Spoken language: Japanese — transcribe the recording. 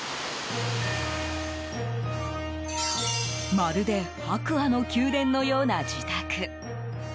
まるで白亜の宮殿のような自宅。